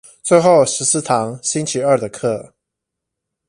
最後十四堂星期二的課